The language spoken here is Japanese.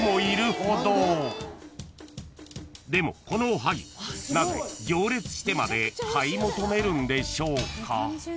［でもこのおはぎなぜ行列してまで買い求めるんでしょうか？］